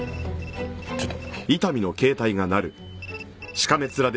ちょっと。